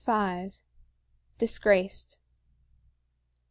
V. DISGRACED.